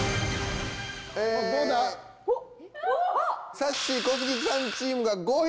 さっしー小杉さんチームが５票！